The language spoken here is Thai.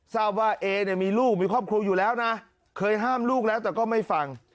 ทราบว่าเอเนี่ยมีลูกมีครอบครัวอยู่แล้วนะเคยห้ามลูกแล้วแต่ก็ไม่ฟัง